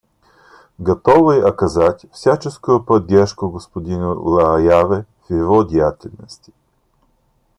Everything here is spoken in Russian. Готовы оказывать всяческую поддержку господину Лааяве в его деятельности.